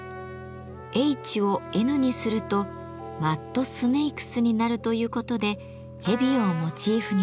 ＨをＮにするとＭＵＤＳＮＡＫＥＳになるということでヘビをモチーフにしました。